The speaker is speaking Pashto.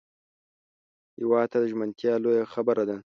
هېواد ته ژمنتیا لویه خبره ده